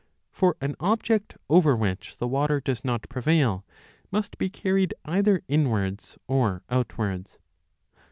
For an object over which the 25 water does not prevail must be carried either inwards or outwards.